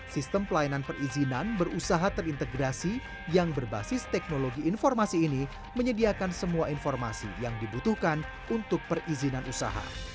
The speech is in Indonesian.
sistem pelayanan perizinan berusaha terintegrasi yang berbasis teknologi informasi ini menyediakan semua informasi yang dibutuhkan untuk perizinan usaha